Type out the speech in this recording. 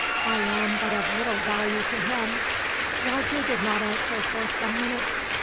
I am but of little value to him." Roger did not answer for some minutes.